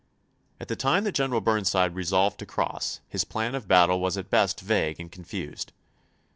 At the time that General Burnside resolved to cross, his plan of battle was at best vague and con fused.